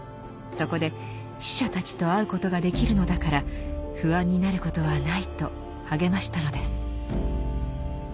そこで死者たちと会うことができるのだから不安になることはないと励ましたのです。